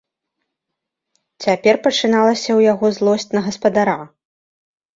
Цяпер пачыналася ў яго злосць на гаспадара.